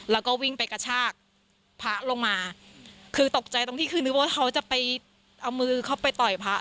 แล้วก็วิ่งไปกระชากพระลงมาคือตกใจตรงที่คือนึกว่าเขาจะไปเอามือเข้าไปต่อยพระ